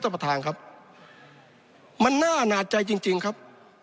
ประธานครับมันน่าหนาดใจจริงจริงครับ